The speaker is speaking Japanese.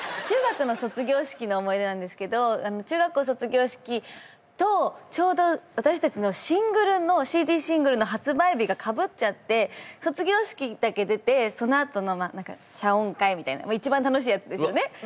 中学の卒業式の思い出なんですけど中学校卒業式とちょうど私たちのＣＤシングルの発売日がかぶっちゃって卒業式だけ出てそのあとの謝恩会みたいなもう一番楽しいやつですよね